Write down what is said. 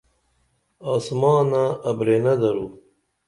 آسمانہ ابرینہ درو۔